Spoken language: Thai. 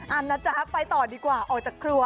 นะจ๊ะไปต่อดีกว่าออกจากครัว